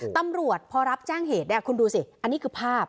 ตำรวจพอรับแจ้งเหตุเนี่ยคุณดูสิอันนี้คือภาพ